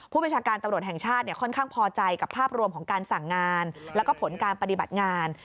ประชาการตำรวจแห่งชาติค่อนข้างพอใจกับภาพรวมของการสั่งงานแล้วก็ผลการปฏิบัติงาน